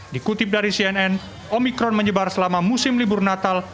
dikutip dari cnn omikron menyebar selama musim libur natal